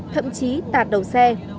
thậm chí tạt đầu xe